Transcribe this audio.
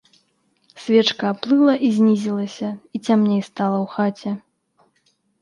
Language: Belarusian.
Свечка аплыла і знізілася, і цямней стала ў хаце.